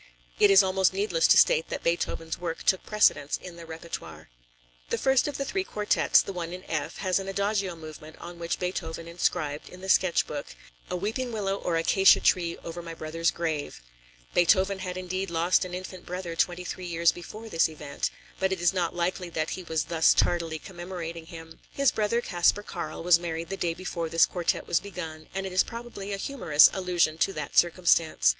It is almost needless to state that Beethoven's work took precedence in the repertoire. The first of the three quartets, the one in F, has an Adagio movement on which Beethoven inscribed in the sketch book, "Eine Trauerweide oder Akazienbaum aufs Grab meines Bruders." [A weeping willow or acacia tree over my brother's grave.] Beethoven had indeed lost an infant brother twenty three years before this event, but it is not likely that he was thus tardily commemorating him. His brother Kaspar Karl was married the day before this quartet was begun and it is probably a humorous allusion to that circumstance.